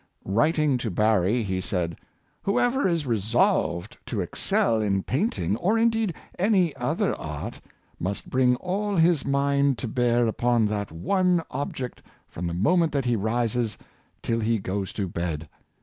Writing to Barry he said, "Who ever is resolved to excel in painting, or indeed any other art, must bring all his mind to bear upon that one ob ject from the moment that he rises till he goes to bed."